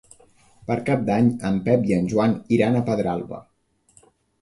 Per Cap d'Any en Pep i en Joan iran a Pedralba.